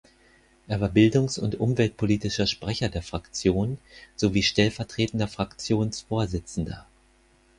Er war bildungs- und umweltpolitischer Sprecher der Fraktion sowie stellvertretender Fraktionsvorsitzender.